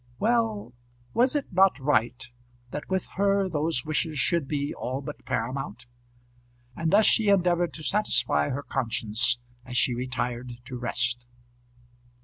Well; was it not right that with her those wishes should be all but paramount? And thus she endeavoured to satisfy her conscience as she retired to rest.